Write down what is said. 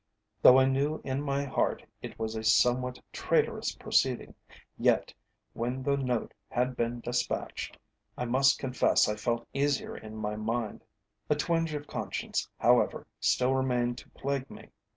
Though I knew in my heart it was a somewhat traitorous proceeding, yet, when the note had been despatched, I must confess I felt easier in my mind. A twinge of conscience, however, still remained to plague me.